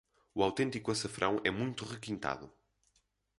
O autêntico açafrão é muito requintado